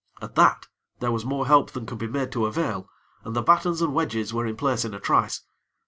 At that, there was more help than could be made to avail, and the battens and wedges were in place in a trice.